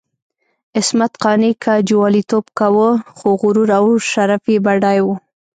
عصمت قانع که جواليتوب کاوه، خو غرور او شرف یې بډای وو.